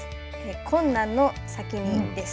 困難の先にです。